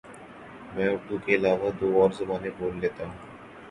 میں اردو کے علاوہ دو اور زبانیں بول لیتا ہوں